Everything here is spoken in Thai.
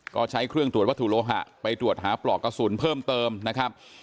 ก็ใช้เครื่องตรวจวัตถุโลหะไปตรวจหาปลอกกระสุนเพิ่มเติมนะครับ